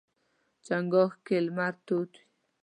چنګاښ کې لمر تود وي.